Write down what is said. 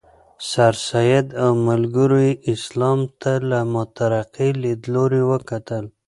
سرسید او ملګرو یې اسلام ته له مترقي لیدلوري وکتل.